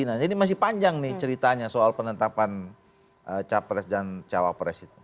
nah jadi masih panjang nih ceritanya soal penetapan capres dan cawapres itu